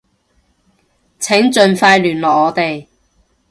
請盡快聯絡我哋